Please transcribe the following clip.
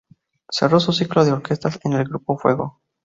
Cerró su ciclo de orquestas en el Grupo Fuego.